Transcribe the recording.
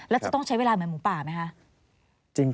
แล้วจะต้องใช้เวลาเหมือนหมูป่าไหมคะ